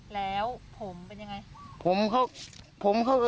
แล้วผมเป็นอย่างไร